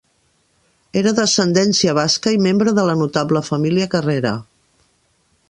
Era d'ascendència basca i membre de la notable família Carrera.